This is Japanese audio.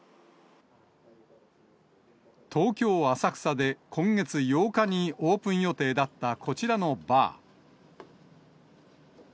東京・浅草で今月８日にオープン予定だったこちらのバー。